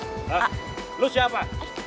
hah lo siapa